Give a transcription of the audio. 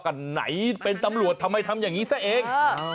กันไหนเป็นตำรวจทำไมทำอย่างนี้ซะเอง